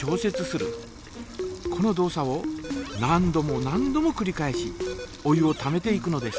この動作を何度も何度もくり返しお湯をためていくのです。